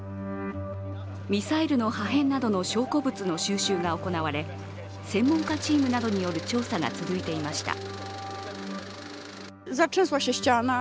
ミサイルの破片などの証拠物の収集が行われ専門家チームなどによる調査が続いていました。